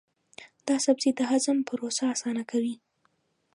دا سبزی د هضم پروسه اسانه کوي.